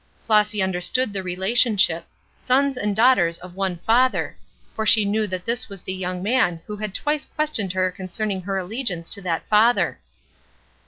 Flossy understood the relationship sons and daughters of one Father for she knew this was the young man who had twice questioned her concerning her allegiance to that Father.